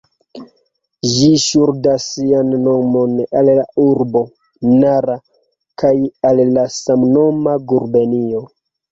Ĝi ŝuldas sian nomon al la urbo Nara kaj al la samnoma gubernio.